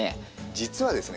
実はですね